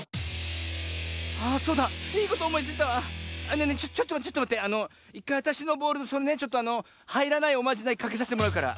あそうだ！いいことおもいついたわねえねえちょっとまってちょっとまってあのいっかいあたしのボールのそのねちょっとあのはいらないおまじないかけさせてもらうから。